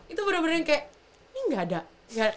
itu bener bener kayak ini gak ada